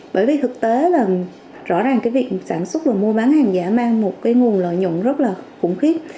bởi vì thực tế rõ ràng việc sản xuất và mua bán hàng giả mang một nguồn lợi nhuận rất khủng khiếp